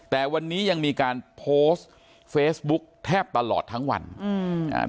แต่วันนี้ยังมีการโพสต์เฟซบุ๊คแทบตลอดทั้งวันอืมอ่า